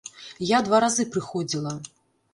Я два разы прыходзіла.